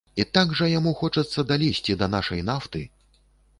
І так жа яму хочацца далезці да нашай нафты.